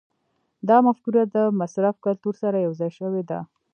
دا مفکوره د مصرف کلتور سره یوځای شوې ده.